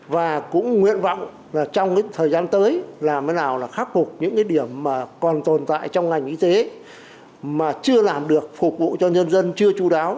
và cũng nguyện vọng là trong thời gian tới làm thế nào là khắc phục những điểm mà còn tồn tại trong ngành y tế mà chưa làm được phục vụ cho nhân dân chưa chú đáo